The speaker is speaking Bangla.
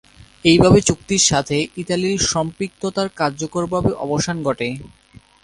এইভাবে চুক্তির সাথে ইতালির সম্পৃক্ততার কার্যকরভাবে অবসান ঘটে।